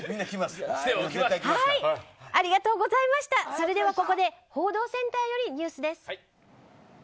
それでは、ここで報道センターよりニュースです。